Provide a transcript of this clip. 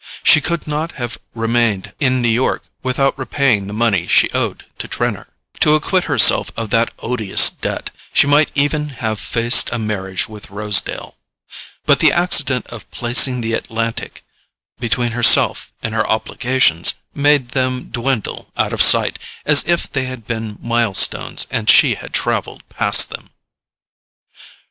She could not have remained in New York without repaying the money she owed to Trenor; to acquit herself of that odious debt she might even have faced a marriage with Rosedale; but the accident of placing the Atlantic between herself and her obligations made them dwindle out of sight as if they had been milestones and she had travelled past them.